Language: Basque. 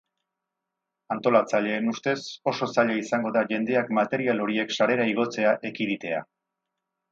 Antolatzaileen ustez, oso zaila izango da jendeak material horiek sarera igotzea ekiditea.